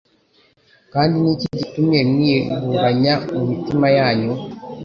Kandi ni iki gitumye mwiburanya mu mitima yanyu?